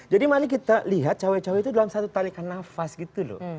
jadi mari kita lihat cowok cowok itu dalam satu talikan nafas gitu loh